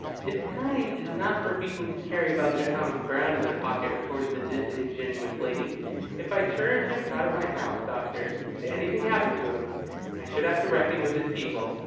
"Its kind is not for people who carry about Sir Thomas Browne in their pocket," retorted the disingenuous lady. "If I turned him out of my house, doctor, and anything happened to him, I should have to reckon with his people.